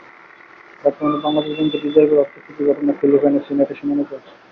বর্তমানে বাংলাদেশ ব্যাংকের রিজার্ভের অর্থ চুরির ঘটনায় ফিলিপাইনে সিনেটে শুনানি চলছে।